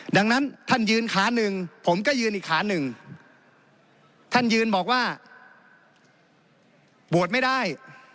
ดังนั้นท่านยืนขาหนึ่งผมก็ยืนอีกขาหนึ่งท่านยืนบอกว่าบวชไม่ได้